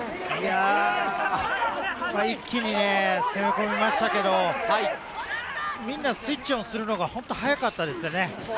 一気に攻め込みましたけれど、みんなスイッチオンするのが速かったですね。